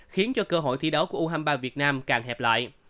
khiến cho cơ hội thi đấu của u hai mươi ba việt nam càng hẹp lại